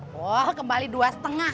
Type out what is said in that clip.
wah kembali rp dua lima ratus